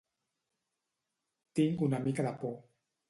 Tinc una mica de por.